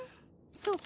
そうか。